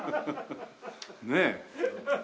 ねえ。